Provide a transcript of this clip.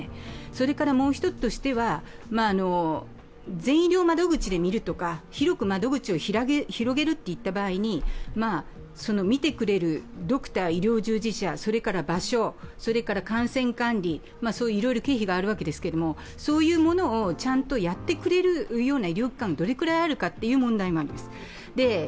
それからもう１つとしては、全医療窓口で見るとか、広く窓口を広げるといった場合に診てくれるドクター、医療従事者それから場所、感染管理、いろいろ経費があるわけですけれども、そういうものをちゃんとやってくれるような医療機関がどれくらいあるかという問題もあるんです。